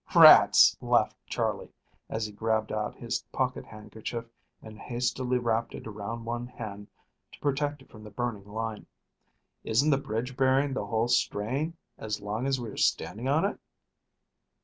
"Rats!" laughed Charley, as he grabbed out his pocket handkerchief and hastily wrapped it around one hand to protect it from the burning line, "isn't the bridge bearing the whole strain as long as we are standing on it?"